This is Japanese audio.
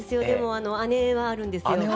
でも姉はあるんですよ。